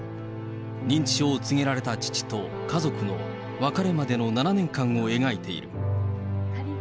認知症を告げられた父と家族の別れまでの７年間を描いている。